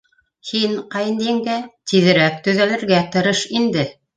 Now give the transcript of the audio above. — Һин, ҡәйенйеңгә, тиҙерәк төҙәлергә тырыш инде.